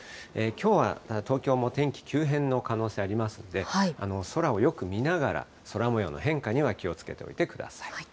きょうは東京も天気、急変の可能性ありますので、空をよく見ながら、空もようの変化には気をつけておいてください。